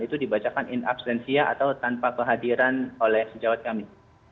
itu dibacakan in absensia atau tanpa kehadiran oleh sejawat kami